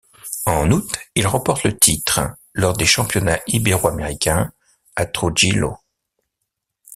En août, il remporte le titre lors des Championnats ibéro-américains à Trujillo.